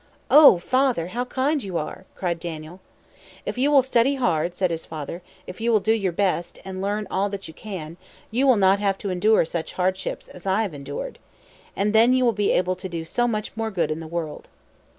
"Oh, father, how kind you are!" cried Daniel. "If you will study hard," said his father "if you will do your best, and learn all that you can; you will not have to endure such hardships as I have endured. And then you will be able to do so much more good in the world."